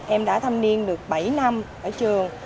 em đã thăm niên được bảy năm ở trường